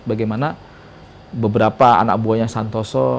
bagaimana beberapa anak buahnya santoso